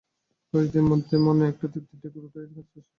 কয়েক দিনের মধ্যেই মনে একটা তৃপ্তির ঢেকুর ওঠে কাজ তো প্রায় শেষ।